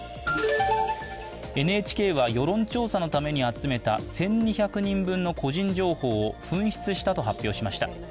ＮＨＫは世論調査のために集めた１２００人分の個人情報を紛失したと発表しました。